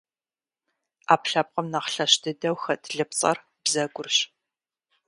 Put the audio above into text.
Ӏэпкълъэпкъым нэхъ лъэщ дыдэу хэт лыпцӏэр - бзэгурщ.